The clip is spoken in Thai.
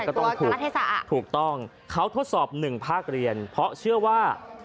ก็ต้องถูกถูกต้องเขาทดสอบหนึ่งภาคเรียนเพราะเชื่อว่า